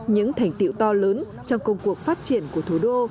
những thành tiệu to lớn trong công cuộc phát triển của thủ đô